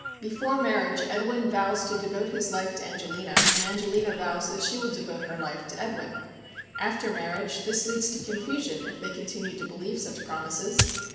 Before marriage Edwin vows to devote his life to Angelina, and Angelina vows she will devote her life to Edwin. After marriage this leads to confusion if they continue to believe such promises.